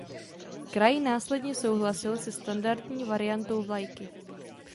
Kraj následně souhlasil se standardní variantou vlajky.